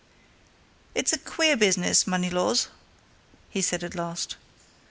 "It's a queer business, Moneylaws," he said at last.